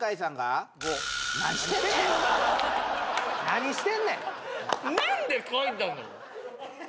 何してんねん！